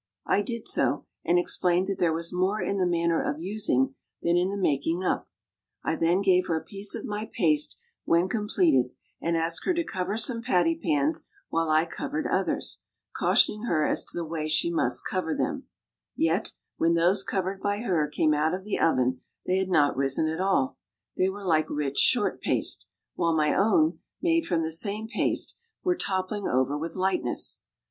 I did so, and explained that there was more in the manner of using than in the making up. I then gave her a piece of my paste when completed, and asked her to cover some patty pans while I covered others, cautioning her as to the way she must cover them; yet, when those covered by her came out of the oven they had not risen at all, they were like rich short paste; while my own, made from the same paste, were toppling over with lightness.